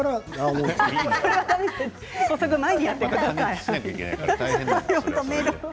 こそぐ前にやってください。